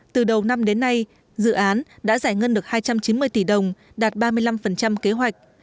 từ đầu năm đến nay dự án đã giải ngân được hai trăm chín mươi tỷ đồng đạt ba mươi năm kế hoạch